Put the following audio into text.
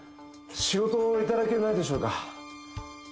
仕事を頂けないでしょうか。